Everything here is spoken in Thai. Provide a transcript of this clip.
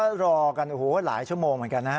แล้วก็รอกันหลายชั่วโมงเหมือนกันนะ